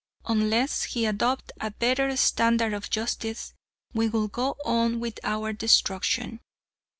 Unless he adopt a better standard of justice we will go on with our destruction."